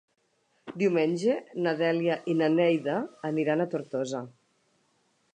Diumenge na Dèlia i na Neida aniran a Tortosa.